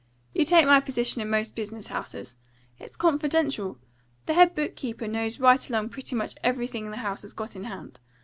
You take my position in most business houses. It's confidential. The head book keeper knows right along pretty much everything the house has got in hand.